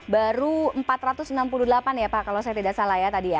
baru empat ratus enam puluh delapan ya pak kalau saya tidak salah ya tadi ya